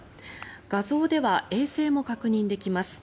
画像では衛星も確認できます。